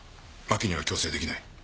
真木には強制出来ない。